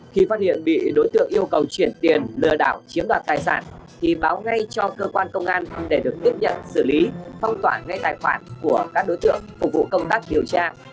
khi phát hiện bị đối tượng yêu cầu chuyển tiền lừa đảo chiếm đoạt tài sản thì báo ngay cho cơ quan công an để được tiếp nhận xử lý phong tỏa ngay tài khoản của các đối tượng phục vụ công tác điều tra